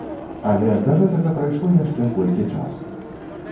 Але да гэтага прайшло яшчэ колькі часу.